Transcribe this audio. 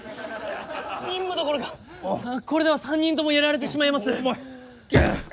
任務どころかこれでは３人ともやられてしまいます。